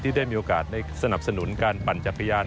ได้มีโอกาสในสนับสนุนการปั่นจักรยาน